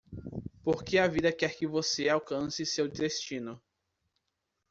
Porque a vida quer que você alcance seu destino.